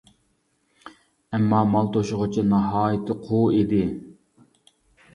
ئەمما، مال توشۇغۇچى ناھايىتى قۇۋ ئىدى.